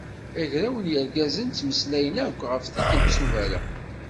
Agraw n yirgazen ttmeslayen akk ɣef tikelt s uberreḥ.